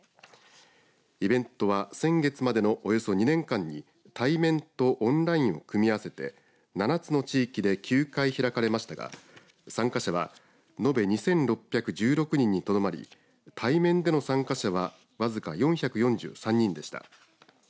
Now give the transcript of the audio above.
イベントは先月までのおよそ２年間に対面とオンラインを組み合わせて７つの地域で９回開かれましたが参加者は延べ２６１６人にとどまり対面での参加者は僅か４４３人でした。